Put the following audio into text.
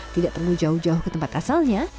tidak perlu jauh jauh ke tempat asalnya